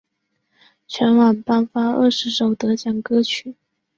全晚颁发二十首得奖歌曲。